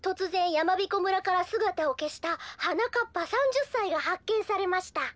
やまびこ村からすがたをけしたはなかっぱ３０さいがはっけんされました」。